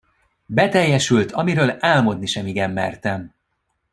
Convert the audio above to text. Beteljesült, amiről álmodni sem igen mertem!